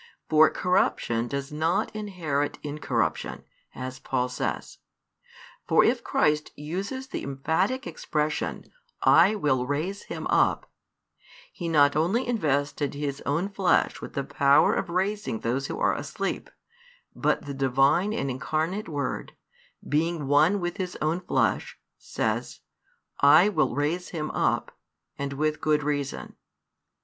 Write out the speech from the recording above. For corruption does not inherit incorruption, as Paul says. For if Christ uses the emphatic expression, I will raise him up, He not only invested His own Flesh with the power of raising those who are asleep, but the Divine and Incarnate Word, being one with His own Flesh, says, I will raise him up, and with good reason.